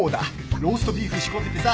ローストビーフ仕込んでてさ。